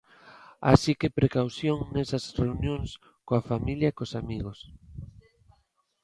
Así que precaución nesas reunións coa familia e cos amigos.